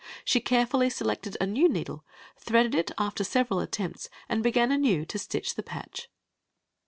She carefully selected a new needle, threaded it after several attempts, and began anew to stitch the pakck.